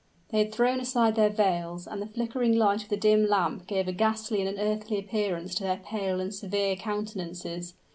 They had thrown aside their veils, and the flickering light of the dim lamp gave a ghastly and unearthly appearance to their pale and severe countenances.